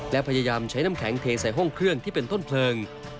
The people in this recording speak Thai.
และพยายามใช้น้ำแข็งเทใส่ห้องเครื่องที่เป็นต้นเพลิง